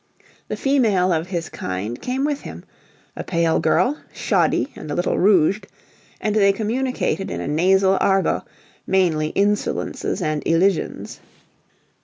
The female of his kind came with him a pale girl, shoddy and a little rouged; and they communicated in a nasal argot, mainly insolences and elisions.